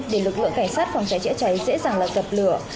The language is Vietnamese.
để lực lượng cảnh sát phòng chế chế cháy dễ dàng là gập lửa